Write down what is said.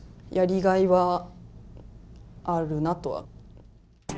やりがいはあるなとは。